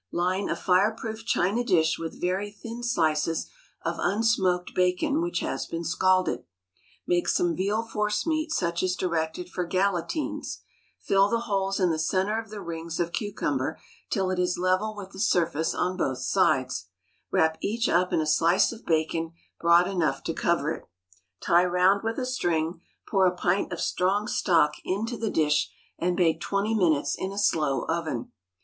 Line a fire proof china dish with very thin slices of unsmoked bacon which has been scalded; make some veal force meat such as directed for galantines; fill the holes in the centre of the rings of cucumber till it is level with the surface on both sides; wrap each up in a slice of bacon broad enough to cover it. Tie round with a string, pour a pint of strong stock into the dish, and bake twenty minutes in a slow oven.